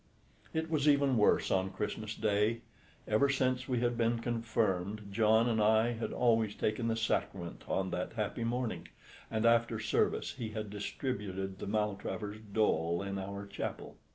It was even worse on Christmas Day. Ever since we had been confirmed John and I had always taken the Sacrament on that happy morning, and after service he had distributed the Maltravers dole in our chapel.